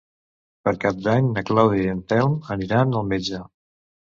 Per Cap d'Any na Clàudia i en Telm aniran al metge.